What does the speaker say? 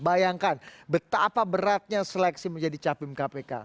bayangkan betapa beratnya seleksi menjadi capim kpk